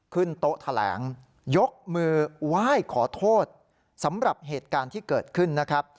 โต๊ะแถลงยกมือไหว้ขอโทษสำหรับเหตุการณ์ที่เกิดขึ้นนะครับ